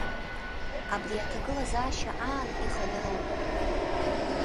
Абри аҭагылазаашьа аан ихадароу.